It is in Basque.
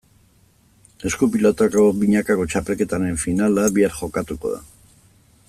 Esku-pilotako binakako txapelketaren finala bihar jokatuko da.